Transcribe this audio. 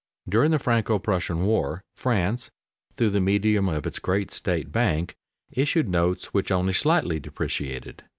During the Franco Prussian War, France, through the medium of its great state bank, issued notes which only slightly depreciated.